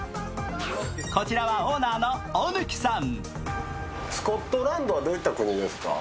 こちらはオーナーの大貫さん。